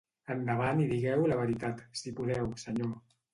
Endavant i digueu la veritat, si podeu, senyor.